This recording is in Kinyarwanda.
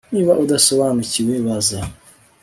Niba udasobanukiwe baza